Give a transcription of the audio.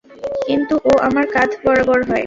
কিন্তু ও আমার কাঁধ বরাবর হয়।